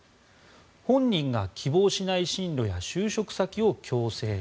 本人が希望しない進路や就職先を強制。